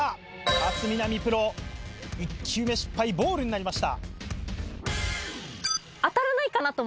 勝みなみプロ１球目失敗ボールになりました。